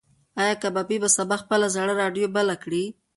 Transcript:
ایا کبابي به سبا بیا خپله زړه راډیو بله کړي؟